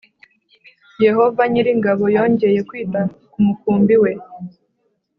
Yehova nyir’ingabo yongeye kwita ku mukumbi we